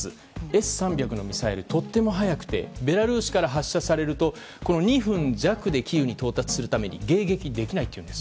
Ｓ３００のミサイルはとても速くベラルーシから発射されると２分弱でキーウに到達するために迎撃できないというんです。